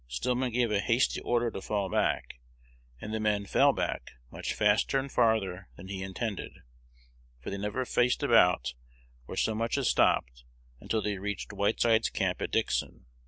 Stillman gave a hasty order to fall back; and the men fell back much faster and farther than he intended, for they never faced about, or so much as stopped, until they reached Whiteside's camp at Dixon.